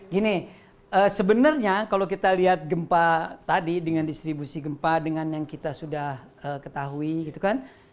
gini sebenarnya kalau kita lihat gempa tadi dengan distribusi gempa dengan yang kita sudah ketahui gitu kan